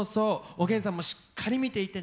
おげんさんもしっかり見ていてね！